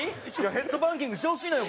ヘッドバンギングしてほしいのよ